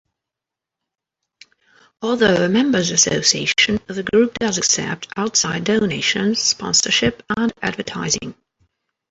Although a members' association, the group does accept outside donations, sponsorship and advertising.